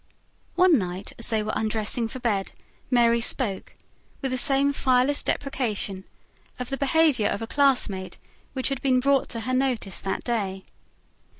One night as they were undressing for bed, Mary spoke, with the same fireless depreciation, of the behaviour of a classmate which had been brought to her notice that day.